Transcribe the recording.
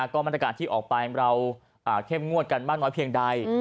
ก็มาตรการที่ออกไปเราเข้มงวดกันมากน้อยเพียงใด